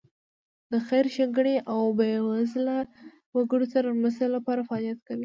د خیر ښېګڼې او بېوزله وګړو سره مرستې لپاره فعالیت کوي.